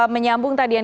menyambung tadi yang